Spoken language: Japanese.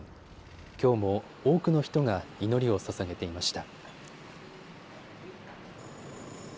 きょうも多くの人が祈りをささげていました。